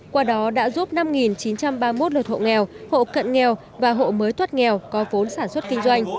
qua đó đã giúp năm chín trăm ba mươi một lượt hộ nghèo hộ cận nghèo và hộ mới thoát nghèo có vốn sản xuất kinh doanh